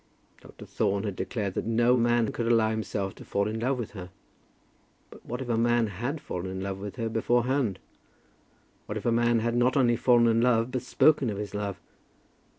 Dr. Thorne had declared that no man could allow himself to fall in love with her. But what if a man had fallen in love with her beforehand? What if a man had not only fallen in love, but spoken of his love?